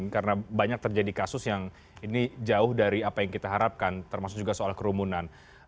karena banyak terjadi kasus yang ini jauh dari apa yang kita harapkan termasuk juga soal kerumunan